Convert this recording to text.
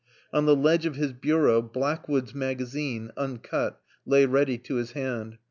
On the ledge of his bureau Blackwood's Magazine, uncut, lay ready to his hand.